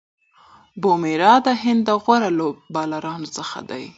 بومراه د هند د غوره بالرانو څخه دئ.